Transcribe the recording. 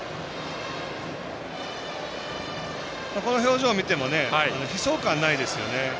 この表情を見ても悲壮感ないですよね。